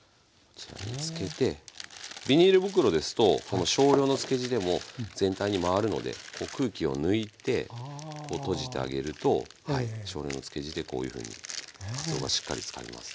ビニール袋ですとこの少量の漬け地でも全体に回るので空気を抜いてこう閉じてあげると少量の漬け地でこういうふうにかつおがしっかり漬かりますね。